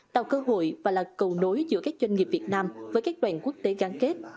tạo cơ hội và là cầu nối giữa các doanh nghiệp việt nam với các đoàn quốc tế gắn kết